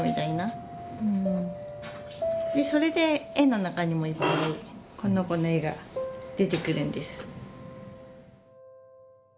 それで絵の中にもいっぱいこの子の絵が出てくるんです。